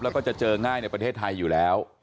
แล้วก็จะเจอง่ายในประเทศไทยอยู่แล้ว